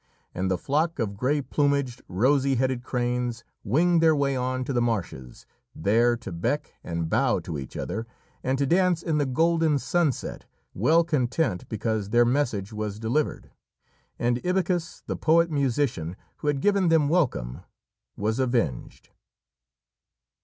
And the flock of grey plumaged, rosy headed cranes winged their way on to the marshes, there to beck and bow to each other, and to dance in the golden sunset, well content because their message was delivered, and Ibycus, the poet musician who had given them welcome, was avenged.